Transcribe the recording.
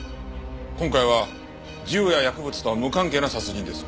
今回は銃や薬物とは無関係な殺人です。